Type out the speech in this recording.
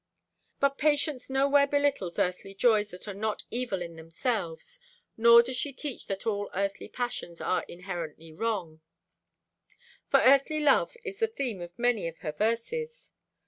But Patience nowhere belittles earthly joys that are not evil in themselves; nor does she teach that all earthly passions are inherently wrong: for earthly love is the theme of many of her verses.